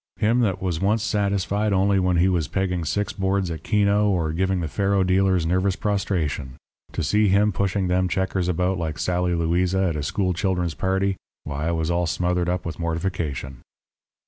Him that was once satisfied only when he was pegging six boards at keno or giving the faro dealers nervous prostration to see him pushing them checkers about like Sally Louisa at a school children's party why, I was all smothered up with mortification.